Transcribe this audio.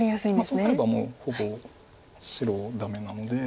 そうなればもうほぼ白ダメなので。